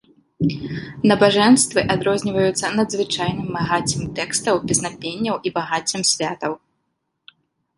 Набажэнствы адрозніваюцца надзвычайным багаццем тэкстаў, песнапенняў і багаццем святаў.